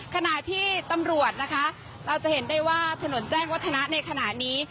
ขณะที่ตำรวจนะคะเราจะเห็นได้ว่าถนนแจ้งวัฒนะในขณะนี้